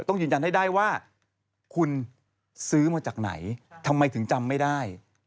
ต้องยืนยันให้ได้ว่าคุณซื้อมาจากไหนทำไมถึงจำไม่ได้